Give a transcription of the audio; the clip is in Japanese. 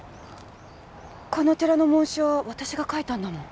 この寺の紋章は私が描いたんだもん。